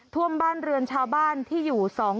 น้ำป่าเสดกิ่งไม้ไหลทะลักมาแบบนี้คุณผู้ชม